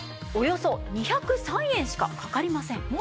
およそ２０３円しかかかりません。